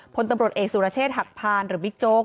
พลตำรวจเอกสุรเชษฐหักพานหรือบิ๊กโจ๊ก